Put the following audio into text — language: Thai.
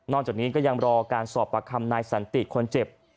จากนี้ก็ยังรอการสอบประคำนายสันติคนเจ็บ